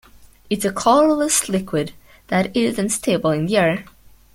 It is a colorless liquid that is unstable in air.